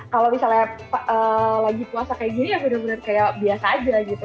kalau misalnya lagi puasa kayak gini ya bener bener kayak biasa aja gitu